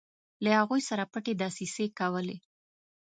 له هغوی سره پټې دسیسې کولې.